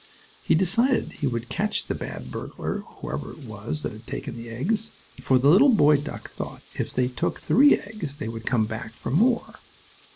He decided he would catch the bad burglar, or whoever it was that had taken the eggs, for the little boy duck thought if they took three eggs they would come back for more.